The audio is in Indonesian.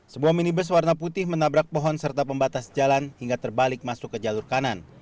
sebuah minibus warna putih menabrak pohon serta pembatas jalan hingga terbalik masuk ke jalur kanan